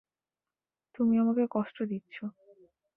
তুমি আমাকে কষ্ট দিচ্ছ!